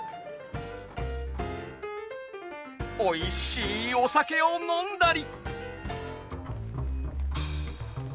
おいしいお酒を飲んだり。